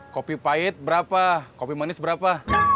kopi pahit berapa kopi manis berapa